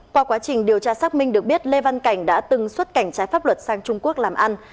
qua quá trình điều tra xác minh được biết lê văn cảnh đã từng xuất cảnh trái pháp luật sang trung quốc làm ăn